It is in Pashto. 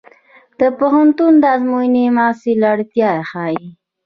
د پوهنتون ازموینې د محصل وړتیا ښيي.